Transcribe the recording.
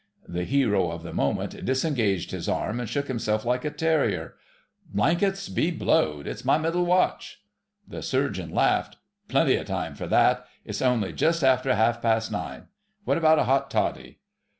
The hero of the moment disengaged his arm and shook himself like a terrier. "Blankets be blowed—it's my Middle Watch." The Surgeon laughed. "Plenty of time for that: it's only just after half past nine. What about a hot toddy?"